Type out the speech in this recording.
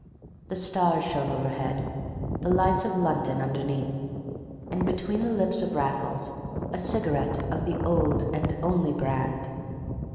The stars shone overhead, the lights of London underneath, and between the lips of Raffles a cigarette of the old and only brand.